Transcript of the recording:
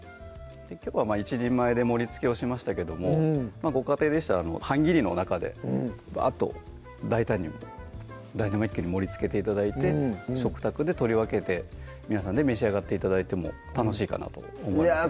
きょうは１人前で盛りつけをしましたけどもご家庭でしたら半切りの中でばっと大胆にダイナミックに盛りつけて頂いて食卓で取り分けて皆さんで召し上がって頂いても楽しいかなと思います